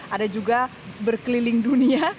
ada juga berkeliling dunia